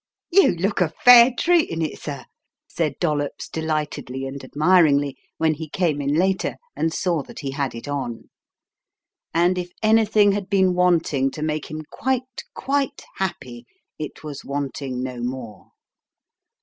"You look a fair treat in it, sir," said Dollops, delightedly and admiringly, when he came in later and saw that he had it on. And if anything had been wanting to make him quite, quite happy, it was wanting no more.